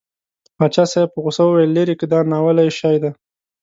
پاچا صاحب په غوسه وویل لېرې که دا ناولی شی دی.